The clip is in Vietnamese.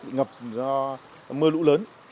bị ngập do mưa lũ lớn